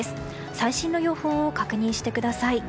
最新の予報を確認してください。